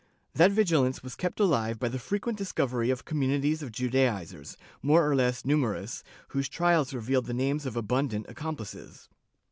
That vigilance was kept alive by the frequent discovery of com munities of Judaizers, more or less numerous, whose trials revealed the names of abundant accomplices.